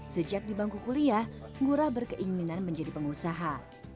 sejak di bangku kuliah ngurah berkeinginan menjadi pengusaha